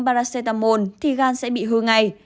paracetamol thì gan sẽ bị hư ngay